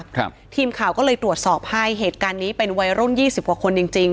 ครับทีมข่าวก็เลยตรวจสอบให้เหตุการณ์นี้เป็นวัยรุ่นยี่สิบกว่าคนจริงจริง